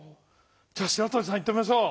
じゃあしらとりさんいってみましょう。